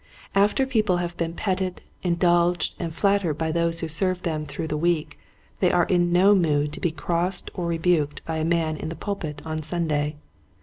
After people have been petted, indulged and flattered by those who serve them through the week they are in no mood to be crossed or rebuked by a man in the pulpit on Sunday.